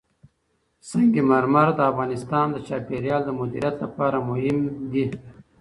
سنگ مرمر د افغانستان د چاپیریال د مدیریت لپاره مهم دي.